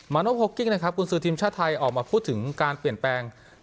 โนโพกิ้งนะครับกุญสือทีมชาติไทยออกมาพูดถึงการเปลี่ยนแปลง